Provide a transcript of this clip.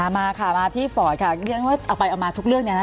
มาค่ะมาที่ฟอร์ตค่ะที่ฉันว่าเอาไปเอามาทุกเรื่องเนี่ยนะ